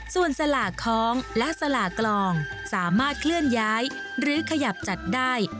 ส่วนสลากคล้องและสลากลองสามารถเคลื่อนย้ายหรือขยับจัดได้